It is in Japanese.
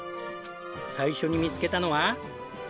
最初に見つけたのは。